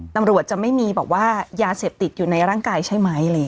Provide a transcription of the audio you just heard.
ตำรวจจะไม่มีแบบว่ายาเสพติดอยู่ในร่างกายใช่ไหม